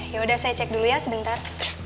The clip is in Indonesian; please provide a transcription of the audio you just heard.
yaudah saya cek dulu ya sebentar